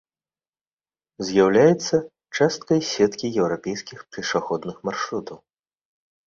З'яўляецца часткай сеткі еўрапейскіх пешаходных маршрутаў.